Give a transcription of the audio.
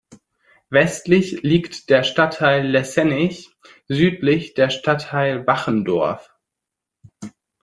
Westlich liegt der Stadtteil Lessenich, südlich der Stadtteil Wachendorf.